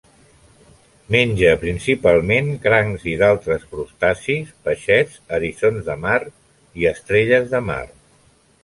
Menja principalment crancs i d'altres crustacis, peixets, eriçons de mar i estrelles de mar.